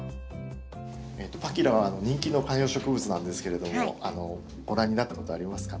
パキラは人気の観葉植物なんですけれどもご覧になったことありますか？